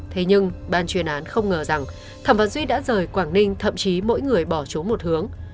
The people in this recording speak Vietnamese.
thế nhưng ban chuyên án không ngờ rằng thẩm và duy đã rời quảng ninh thậm chí mỗi người bỏ trốn một hướng